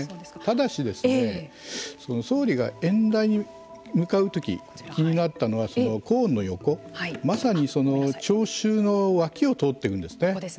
正しですね、総理が演台に向かうとき気になったのはコーンの横、まさにその聴衆の脇を通っているんですね。